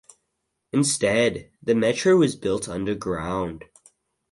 Instead, the metro was built underground.